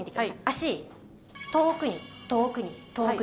足遠くに遠くに遠くに。